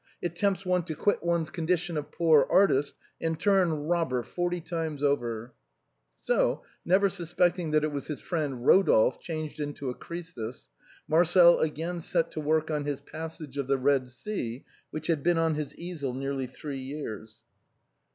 It tempts one to quit one's condition of poor artist and turn robber, forty times over." So, never suspecting that it was his friend Ro dolphe changed into a Crœsus, Marcel again set to work on 82 THE BILLOWS OF PACTOLUS. 83 his " Passage of the Eed Sea," which had been on his easel nearly three years.